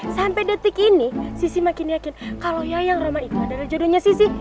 sampai detik ini sissy makin yakin kalo ya yang roman itu adalah jodohnya sissy